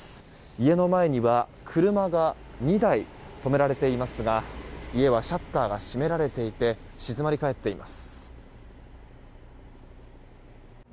家の前には車が２台止められていますが家はシャッターが閉められていて静まり返っています。